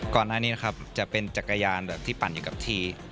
ก่อนหน้านี้นะครับจะเป็นจักรยานแบบที่ปั่นอยู่กับที่